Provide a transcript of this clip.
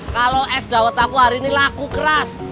kalau es dawet aku hari ini laku keras